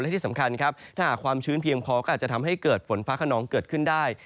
และที่สำคัญครับถ้าหากความชื้นเพียงพอก็อาจจะทำให้เกิดฝนฟ้าขนองเกิดขึ้นได้